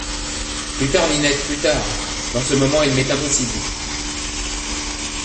Plus tard, Ninette, plus tard ; dans ce moment il m’est impossible…